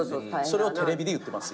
それをテレビで言ってます